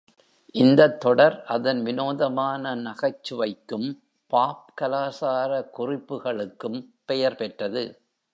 இந்தத் தொடர் அதன் வினோதமான நகைச்சுவைக்கும் பாப்-கலாச்சார குறிப்புகளுக்கும் பெயர் பெற்றது.